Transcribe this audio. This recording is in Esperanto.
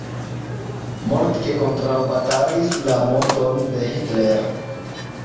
Moltke kontraŭbatalis la murdon de Hitler.